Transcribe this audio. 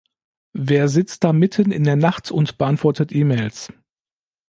Wer sitzt da mitten in der Nacht und beantwortet E-Mails?